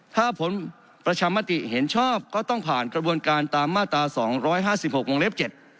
ถ้าผลประชามติเห็นชอบก็ต้องผ่านกระบวนการตามมาตรา๒๕๖วงเล็บ๗